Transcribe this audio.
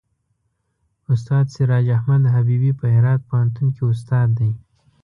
استاد سراج احمد حبیبي په هرات پوهنتون کې استاد دی.